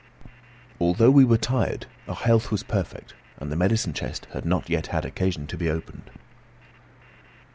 Although we were tired, our health was perfect, and the medicine chest had not yet had occasion to be opened.